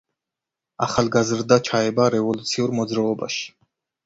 ახალგაზრდა ჩაება რევოლუციურ მოძრაობაში.